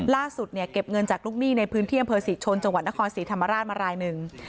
ล่าสุดเนี่ยเก็บเงินจากลูกหนี้ในพื้นที่อำเภอศรีชนจังหวัดนครศรีธรรมราชมารายหนึ่ง